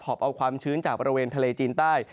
บเอาความชื้นจากบริเวณทะเลจีนใต้